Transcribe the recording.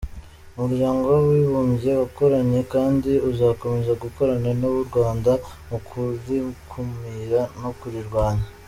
Umuryango w’Abibumbye wakoranye kandi uzakomeza gukorana n’u Rwanda mu kurikumira no kurirwanya.